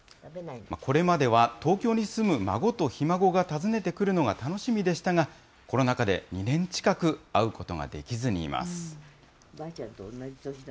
これまでは東京に住む孫とひ孫が訪ねてくるのが楽しみでしたが、コロナ禍で２年近く会うことができずにいます。